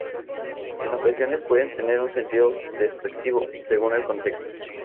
En ocasiones pueden tener un sentido despectivo, según el contexto.